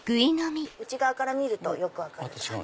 内側から見るとよく分かります。